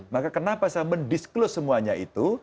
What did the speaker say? maka kenapa saya mendisclose semuanya itu